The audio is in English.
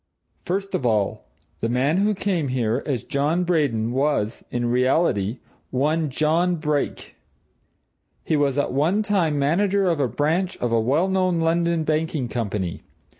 First of all the man who came here as John Braden was, in reality, one John Brake. He was at one time manager of a branch of a well known London banking company.